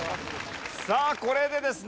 さあこれでですね